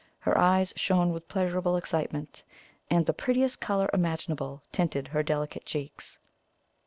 Her eyes shone with pleasurable excitement, and the prettiest colour imaginable tinted her delicate cheeks.